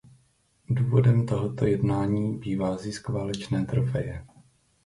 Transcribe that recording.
Důvodem tohoto jednání bývá zisk válečné trofeje.